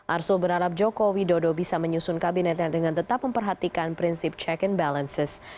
arsul berharap joko widodo bisa menyusun kabinetnya dengan tetap memperhatikan prinsip check and balances